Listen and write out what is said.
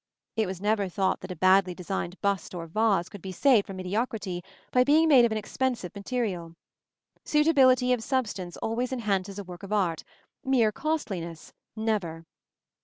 It was never thought that a badly designed bust or vase could be saved from mediocrity by being made of an expensive material. Suitability of substance always enhances a work of art; mere costliness never.